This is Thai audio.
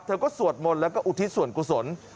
เธอก็สวดมนต์แล้วก็อุทิศส่วนกุศล